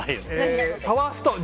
パワーストーン！